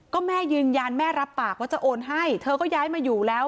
ก็แม่ยืนยันแม่รับปากว่าจะโอนให้เธอก็ย้ายมาอยู่แล้ว